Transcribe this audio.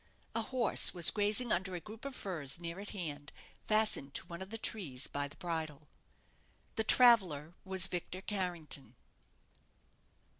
A horse was grazing under a group of firs near at hand, fastened to one of the trees by the bridle. This traveller was Victor Carrington.